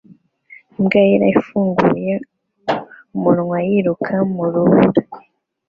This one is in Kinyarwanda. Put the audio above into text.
Imbwa yera ifunguye umunwa yiruka mu rubura